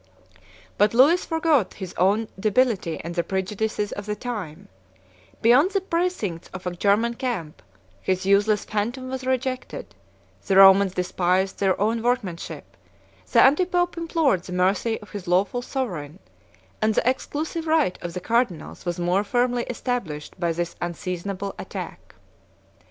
74 But Lewis forgot his own debility and the prejudices of the times: beyond the precincts of a German camp, his useless phantom was rejected; the Romans despised their own workmanship; the antipope implored the mercy of his lawful sovereign; 75 and the exclusive right of the cardinals was more firmly established by this unseasonable attack.